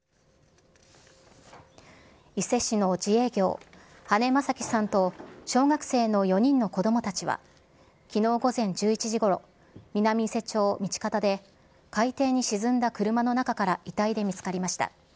伊勢市の自営業、羽根正樹さんと小学生の４人の子どもたちは、きのう午前１１時ごろ、南伊勢町道方で、海底に沈んだ車の中から遺体で見つかりました。